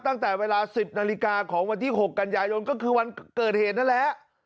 ตั้งแต่เวลา๑๐นาฬิกาของวันที่๖กันยายนก็คือวันเกิดเหตุนั่นแหละ